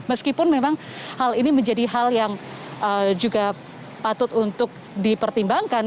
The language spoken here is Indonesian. meskipun memang hal ini menjadi hal yang juga patut untuk dipertimbangkan